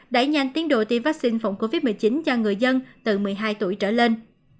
đẩy nhanh tiến độ tiêm vaccine phòng covid một mươi chín cho người dân từ một mươi hai tuổi trở lên